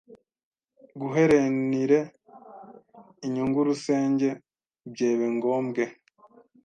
guherenire inyungu rusenge byebe ngombwe